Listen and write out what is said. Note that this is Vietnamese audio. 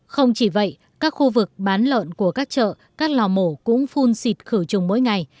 không chỉ vậy các khu vực bán lợn của các chợ các lò mổ cũng phun xịt khử trùng mỗi ngày